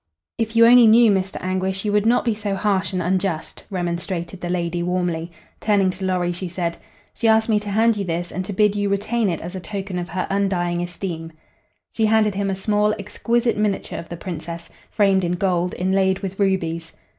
"If you only knew, Mr. Anguish, you would not be so harsh and unjust," remonstrated the lady, warmly. Turning to Lorry she said: "She asked me to hand you this and to bid you retain it as a token of her undying esteem." She handed him a small, exquisite miniature of the Princess, framed in gold inlaid with rubies.